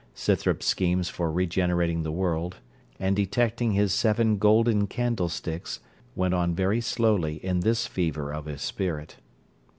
Scythrop's schemes for regenerating the world, and detecting his seven golden candle sticks, went on very slowly in this fever of his spirit.